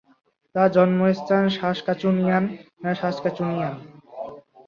তার জন্মস্থান Saskatchewan, Saskatchewan.